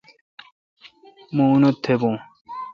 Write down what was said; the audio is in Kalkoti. مہ اون تھبون۔